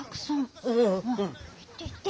行って行って。